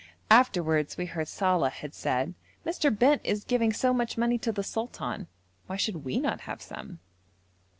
Afterwards we heard Saleh had said, 'Mr. Bent is giving so much money to the sultan, why should we not have some?'